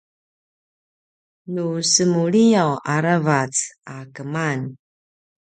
nu semuliyaw aravac a keman